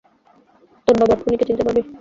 তোর বাবার খুনিকে চিনতে পারবি?